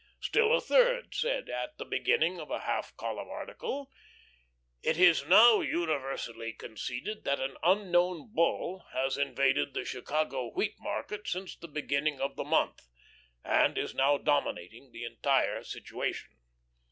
Still a third said, at the beginning of a half column article: "It is now universally conceded that an Unknown Bull has invaded the Chicago wheat market since the beginning of the month, and is now dominating the entire situation.